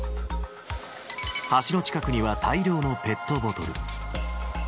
橋の近くには大量のペットボトル。